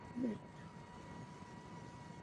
আমাকে বাঁচান ওয়ার্ডেন।